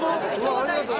うわありがとう。